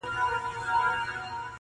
هم د لاس هم يې د سترگي نعمت هېر وو.!